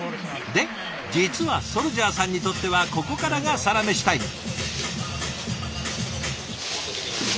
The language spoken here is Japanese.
で実はＳＯＵＬＪＡＨさんにとってはここからがサラメシタイム。